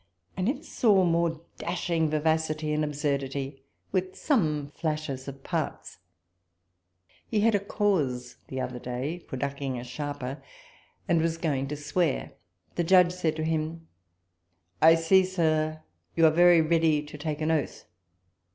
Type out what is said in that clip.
I never saw more dashing vivacity and absurdity, with some flashes of parts. He had a cause the other day for ducking a sharper, and was going to swear : the judge said to him, " I see. Sir, you are very ready to take an oath."